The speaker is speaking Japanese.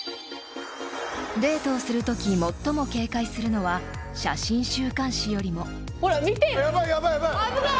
［デートをするとき最も警戒するのは写真週刊誌よりも］